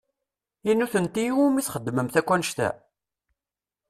I nutenti i wumi txedmemt akk annect-a?